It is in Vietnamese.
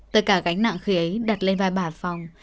tất cả gánh nặng khí ấy đặt lên vai bà phòng